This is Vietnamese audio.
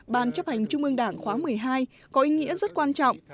ban chấp hành chung mương đảng khóa một mươi hai có ý nghĩa rất quan trọng